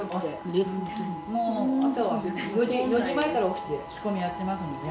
もう朝は４時前から起きて仕込みやってますもんね。